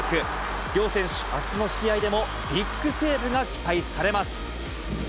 両選手、あすの試合でもビッグセーブが期待されます。